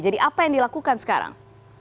jadi apa yang dilakukan sekarang